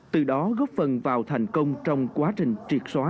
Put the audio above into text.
từ đó góp phần vào thành công trong quá trình triệt xóa